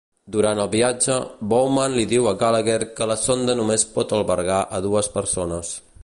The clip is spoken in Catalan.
Durant el viatge, Bowman li diu a Gallagher que la sonda només pot albergar a dues persones.